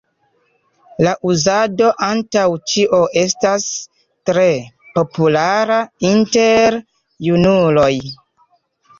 La uzado antaŭ ĉio estas tre populara inter junuloj.